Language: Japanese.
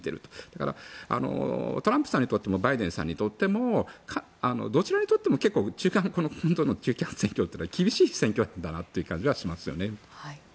だから、トランプさんにとってもバイデンさんにとってもどちらにとっても中間選挙っていうのは厳しい選挙だなという感じがしますよね。